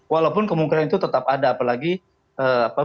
walaupun kemungkinan itu tetap ada apalagi besok balap lagi